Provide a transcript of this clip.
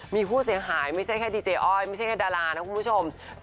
มีผู้เสียหายไม่ใช่แค่ดีเจอ้อยไม่ใช่แค่ดารานะคุณผู้ชม